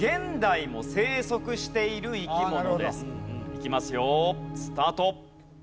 いきますよスタート。